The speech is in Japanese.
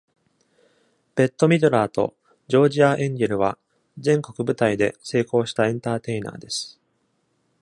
ベットミドラーとジョージアエンゲルは、全国舞台で成功したエンターテイナーです。